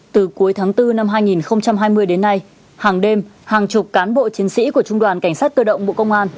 từ cuối tháng bốn năm hai nghìn hai mươi đến nay hàng đêm hàng chục cán bộ chiến sĩ của trung đoàn cảnh sát cơ động bộ công an